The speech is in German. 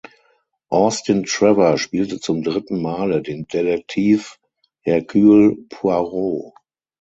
Austin Trevor spielte zum dritten Male den Detektiv Hercule Poirot.